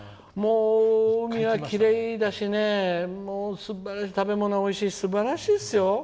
海はきれいだし食べ物もおいしいしすばらしいですよ。